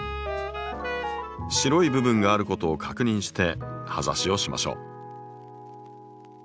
白い部分があることを確認して葉ざしをしましょう。